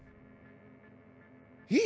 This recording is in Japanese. え？